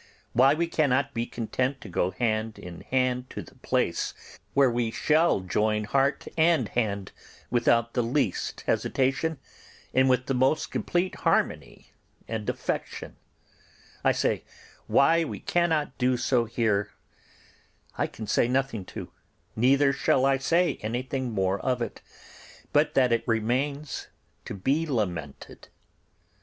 Why we cannot be content to go hand in hand to the Place where we shall join heart and hand without the least hesitation, and with the most complete harmony and affection—I say, why we cannot do so here I can say nothing to, neither shall I say anything more of it but that it remains to be lamented.